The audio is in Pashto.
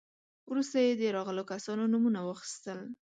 وروسته يې د راغلو کسانو نومونه واخيستل.